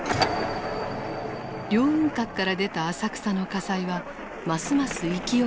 凌雲閣から出た浅草の火災はますます勢いを強めていた。